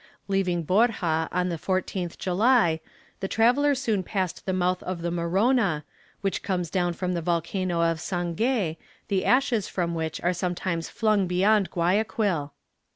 Leaving Borja on the 14th July, the traveller soon passed the mouth of the Morona, which comes down from the volcano of Sangay, the ashes from which are sometimes flung beyond Guayaquil.